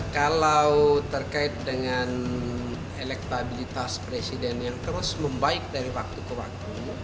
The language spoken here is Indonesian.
kalau terkait dengan elektabilitas presiden yang terus membaik dari waktu ke waktu